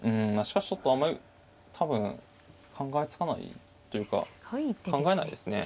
しかしちょっとあまり多分考えつかないというか考えないですね。